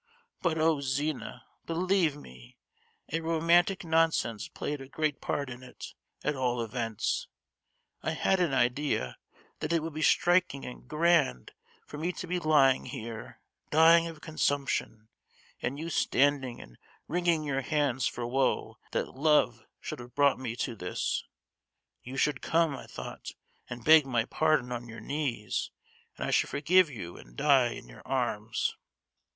But, oh, Zina! believe me, a romantic nonsense played a great part in it; at all events, I had an idea that it would be striking and grand for me to be lying here, dying of consumption, and you standing and wringing your hands for woe that love should have brought me to this! You should come, I thought, and beg my pardon on your knees, and I should forgive you and die in your arms!"